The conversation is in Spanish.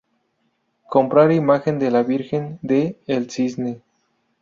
Comprar imagen de la Virgen de "El Cisne"